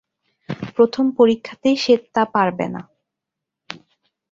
প্রথম পরীক্ষাতেই সে তা পারবে না।